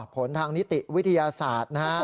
ผลทางนิติวิทยาศาสตร์นะครับ